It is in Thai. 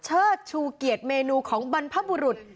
เชิดชูเกียรติเมนูของบรรพบุรุษ